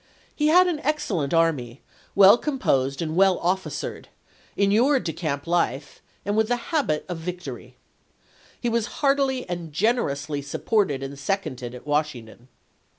He had an excellent army, 1862. weU composed and well officered, inured to camp life, and with the habit of victory. He was heartily and generously supported and seconded at Wash ington.